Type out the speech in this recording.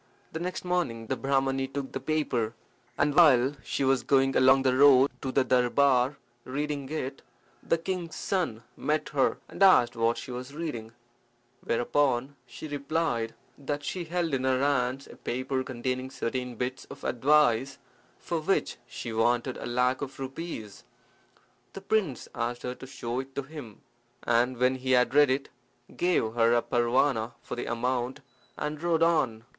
The next morning the Brahmani took the paper, and while she was going along the road to the darbar reading it, the king's son met her, and asked what she was reading, whereupon she replied that she held in her hands a paper containing certain bits of advice, for which she wanted a lac of rupees. The prince asked her to show it to him, and when he had read it gave her a parwana for the amount, and rode on.